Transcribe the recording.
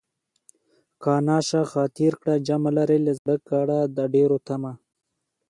په لږ قانع شه خاطر کړه جمع لرې له زړه کړه د ډېرو طمع